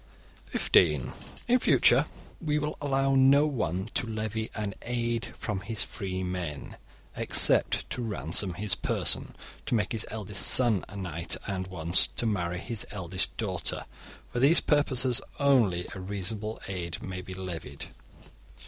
(15) In future we will allow no one to levy an 'aid' from his free men, except to ransom his person, to make his eldest son a knight, and (once) to marry his eldest daughter. For these purposes only a reasonable 'aid' may be levied.